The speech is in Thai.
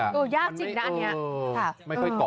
ดูยากจริงน่ะอันนี้